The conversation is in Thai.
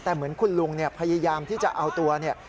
แต่เหมือนคุณลุงเนี่ยพยายามที่จะเอาตัวเนี่ย